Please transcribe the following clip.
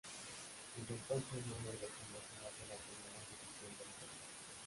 Desde entonces no logró promocionarse a la Primera División del Perú.